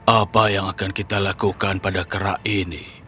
apa yang akan kita lakukan pada kerak ini